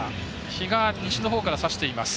日が西のほうからさしています。